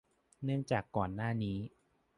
เนื่องจากก่อนหน้านี้